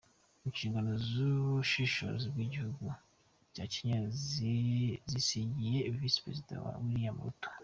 Inshingano z’ubuyobozi bw’igihugu cya Kenya yazisigiye Visi Perezida we William Ruto.